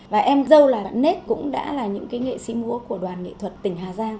và em dâu là bạn nết cũng đã là những nghệ sĩ múa của đoàn nghệ thuật tỉnh hà giang